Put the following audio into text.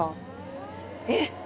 えっ？